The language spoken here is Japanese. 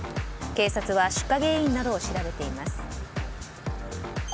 警察は出火原因などを調べています。